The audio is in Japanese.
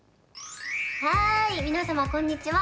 はい皆様こんにちは。